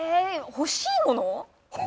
欲しいものは。